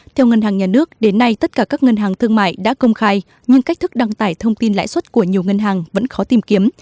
theo ngân hàng nhà nước đến nay tất cả các ngân hàng thương mại đã công khai nhưng cách thức đăng tải thông tin lãi suất của nhiều ngân hàng vẫn khó tìm kiếm